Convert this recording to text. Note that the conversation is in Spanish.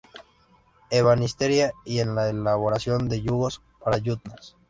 Ebanistería y en la elaboración de yugos para yuntas.